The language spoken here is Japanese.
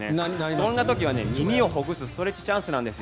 そんな時は耳をほぐすストレッチチャンスなんです。